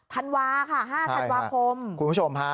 ธัญวาคมห้าธัญวาคม